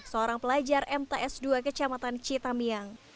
seorang pelajar mts dua kecamatan citamiang